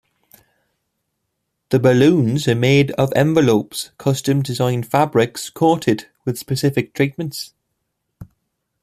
The balloons are made of envelopes custom designed fabrics coated with specific treatments.